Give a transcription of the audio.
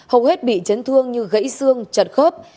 hầu hết bị chấn thương như gãy xương chật khớp